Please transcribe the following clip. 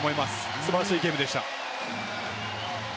素晴らしいゲームでした。